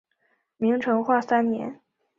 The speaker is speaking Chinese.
明成化三年。